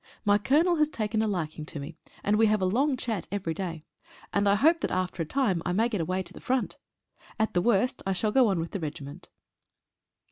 My Colonel has taken a liking to me, and we have a long chat every day, and I hope that after a time I may get away to the front. At the worst I shall go on with the regiment.